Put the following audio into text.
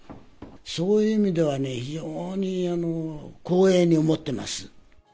そういう意味ではね、非常に光栄に思ってます。